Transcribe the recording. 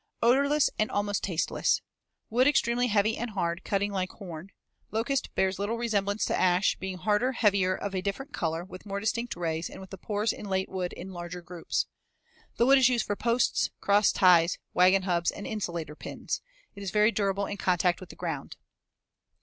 Odorless and almost tasteless. Wood extremely heavy and hard, cutting like horn. Locust bears little resemblance to ash, being harder, heavier, of a different color, with more distinct rays, and with the pores in late wood in larger groups. The wood is used for posts, cross ties, wagon hubs, and insulator pins. It is very durable in contact with the ground.